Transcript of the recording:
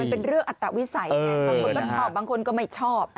มันเป็นเรื่องอัตวิสัยไงบางคนก็ชอบบางคนก็ไม่ชอบ